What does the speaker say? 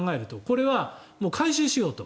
これは回収しようと。